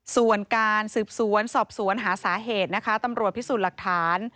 ส่วนการสืบสวนสอบสวนหาสาเหตุนะคะตำรวจพิสูจน์หลักฐาน